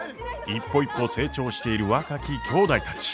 一歩一歩成長している若ききょうだいたち。